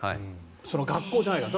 その学校じゃないから。